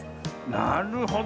なるほど。